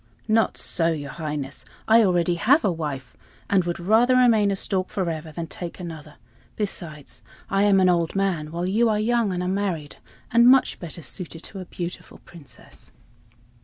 "Not so, your Highness, I already have a wife, and would rather remain a stork forever than take another; besides, I am an old man, while you are young and unmarried, and much better suited to a beautiful Princess."